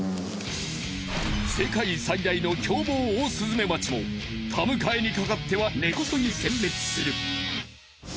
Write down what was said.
世界最大の狂暴オオスズメバチも田迎にかかっては根こそぎ全滅する。